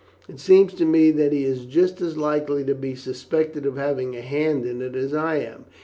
It seems to me that he is just as likely to be suspected of having a hand in it as I am.